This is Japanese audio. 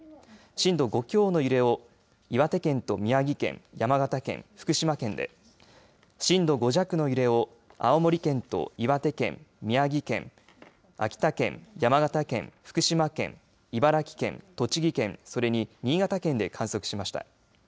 震度５強の揺れを岩手県と宮城県、山形県、福島県で、震度５弱の揺れを青森県と岩手県、宮城県、秋田県、山形県、福島県、茨城県、栃木県、それに新潟県で観測しました。